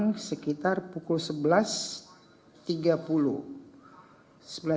mengamankan deka di posko pemenangan di kupang